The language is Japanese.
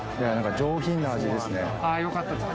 上品な味ですね・よかったです